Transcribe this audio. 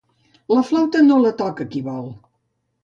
La flauta no la toca qui vol.